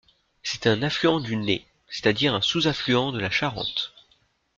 C'est un affluent du Né, c'est-à-dire un sous-affluent de la Charente.